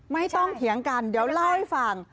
เถียงกันเดี๋ยวเล่าให้ฟัง